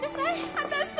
私と！